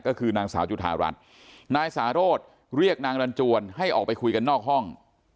ก็คือนางสาวจุธารัฐนายสาโรธเรียกนางรันจวนให้ออกไปคุยกันนอกห้อง